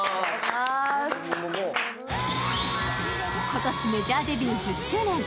今年メジャーデビュー１０周年。